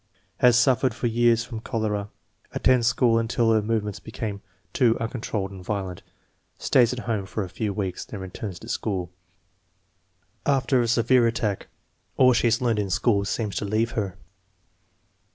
Has suffered for years from chorea. Attends school until her movements become too uncontrolled and violent, stays at home for a few weeks, then returns to school. After a severe attack all she has learned in school seems to leave her.